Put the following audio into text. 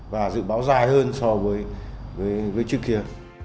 và dự báo dài hơn so với trước kia